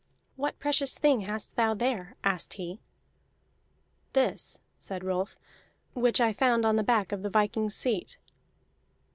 "What precious thing hast thou there?" asked he. "This," said Rolf, "which I found on the back of the viking's seat."